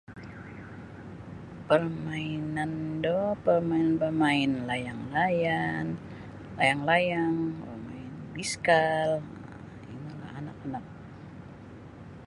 Pamainan do pamain bamain layang-layang layang-layang bamain biskal um inolah anak-anak.